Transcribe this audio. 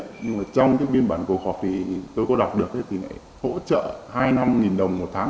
nhưng mà trong cái biên bản cổ học thì tôi có đọc được thì lại hỗ trợ hai năm nghìn đồng một tháng